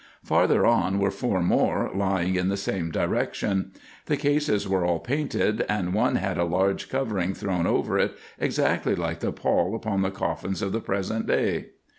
Farther on were four more, lying in the same direction. The cases were all painted, and one had a large covering thrown over it, exactly like the pall upon the coffins of the present day.